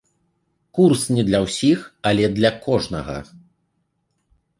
Курс не для ўсіх, але для кожнага!